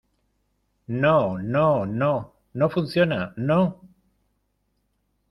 no, no , no. no funciona , no .